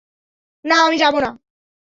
না, আমি যাবো না।